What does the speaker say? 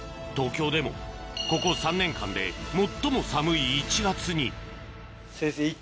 東京でもここ３年間で最も寒い１月に先生。